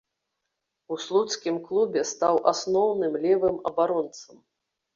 У слуцкім клубе стаў асноўным левым абаронцам.